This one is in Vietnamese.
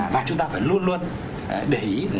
và chúng ta phải luôn luôn để ý